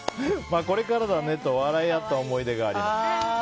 これからだねと笑いあった思い出があります。